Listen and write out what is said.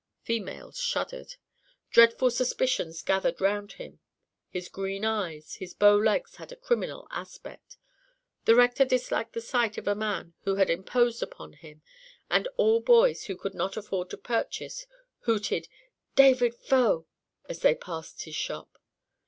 Females shuddered. Dreadful suspicions gathered round him: his green eyes, his bow legs had a criminal aspect. The rector disliked the sight of a man who had imposed upon him; and all boys who could not afford to purchase, hooted "David Faux" as they passed his shop.